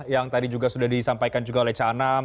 yang tadi juga sudah disampaikan juga oleh ca'anam